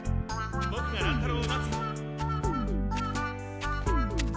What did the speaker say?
ボクが乱太郎を待つよ。